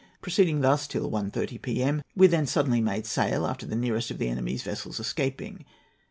Proceeding thus till 1.30 p.m., we then suddenly made sail after the nearest of the enemy's vessels escaping.